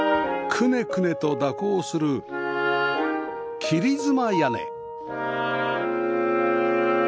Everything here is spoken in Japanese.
くねくねと蛇行する切妻屋根